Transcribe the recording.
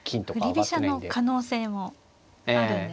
振り飛車の可能性もあるんですね。